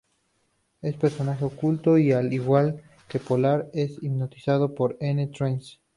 Es un personaje oculto, y al igual que Polar es hipnotizado por N. Trance.